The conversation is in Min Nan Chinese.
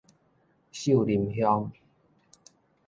秀林鄉